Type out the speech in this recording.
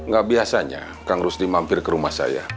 gak biasanya kang rusdi mampir ke rumah saya